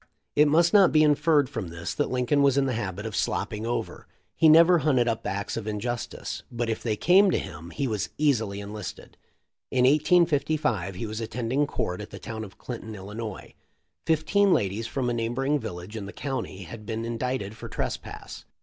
It must not be inferred from this that Lincoln was in the habit of slopping over. He never THE LIFE OF LINCOLN. 343 hunted up acts of injustice, but if they came to him he was easily enlisted. In 1855 he was attending court at the town of Clinton, Illinois. Fifteen ladies from a neighboring village in the county had been indicted for trespass.